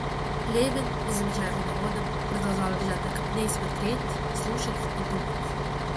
Левин, не замечаемый народом, продолжал лежать на копне и смотреть, слушать и думать.